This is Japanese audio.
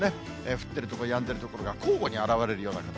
降ってる所、やんでる所が交互に現れるような形。